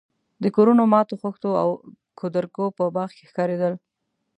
د کورونو ماتو خښتو او کودرکو په باغ کې ښکارېدل.